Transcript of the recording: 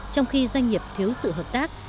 trong khi doanh nghiệp thiếu sự hợp tác